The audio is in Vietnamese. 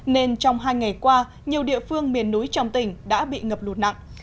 nên trong hai ngày qua nhiều địa phương miền núi trong tỉnh đã bị ngập lụt nặng